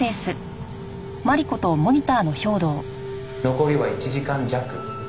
「残りは１時間弱」